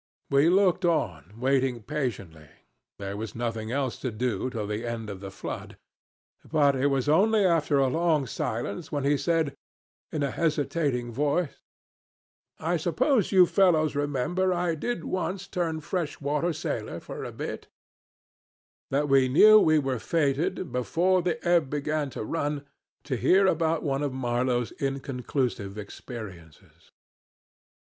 We looked on, waiting patiently there was nothing else to do till the end of the flood; but it was only after a long silence, when he said, in a hesitating voice, "I suppose you fellows remember I did once turn fresh water sailor for a bit," that we knew we were fated, before the ebb began to run, to hear about one of Marlow's inconclusive experiences.